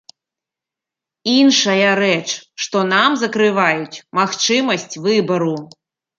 Іншая рэч, што нам закрываюць магчымасць выбару.